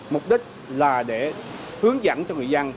mục đích là để hướng dẫn cho người dân